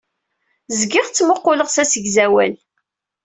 Zgiɣ ttmuquleɣ s asegzawal.